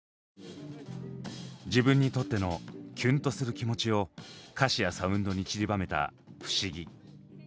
自分にとってのキュンとする気持ちを歌詞やサウンドにちりばめた「不思議」。